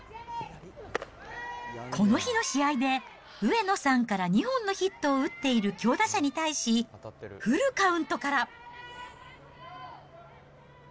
この日の試合で、上野さんから２本のヒットを打っている強打者に対し、フルカウントから。